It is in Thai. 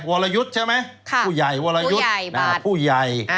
วรยุทธ์ใช่ไหมผู้ใหญ่วรยุทธ์